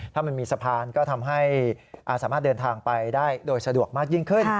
ถ้ามันมีสะพานก็ทำให้สามารถเดินทางไปได้โดยสะดวกมากยิ่งขึ้น